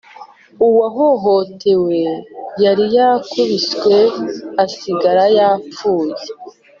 uwahohotewe yari yarakubiswe asigara yapfuye.